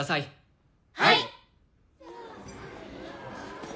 はい！